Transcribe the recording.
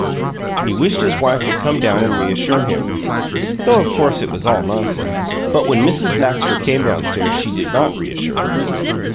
He wished his wife would come down and reassure him, though of course it was all nonsense. But when Mrs. Baxter came down stairs she did not reassure him.